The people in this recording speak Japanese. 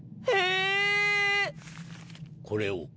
これを。